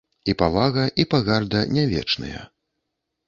І павага, і пагарда не вечныя.